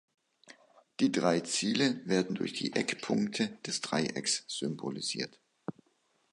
Die drei Ziele werden durch die Eckpunkte des Dreiecks symbolisiert.